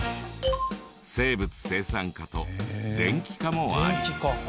生物生産科と電気科もあり。